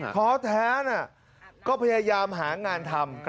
ท้อแท้นะก็พยายามหางานทำ